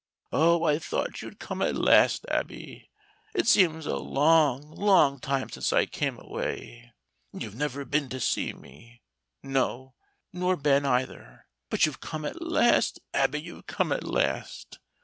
Oh, I thought you'd come at last, Abby. It seems a long, long time since I came away. And you've never been to see me; no, nor Ben, either. But you've come at last, Abby, you've come at last.